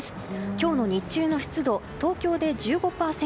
今日の日中の湿度、東京で１５％